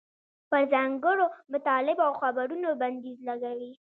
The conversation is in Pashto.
پر ځانګړو مطالبو او خبرونو بندیز لګوي.